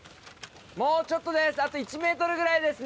もうちょっとです。